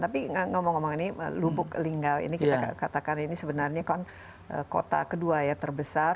tapi ngomong ngomong ini lubuk linggau ini kita katakan ini sebenarnya kan kota kedua ya terbesar